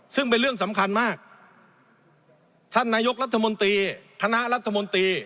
ซึ่งเป็นเรื่องสำคัญมากท่านนายกรัฐมนตรีคณะรัฐมนตรี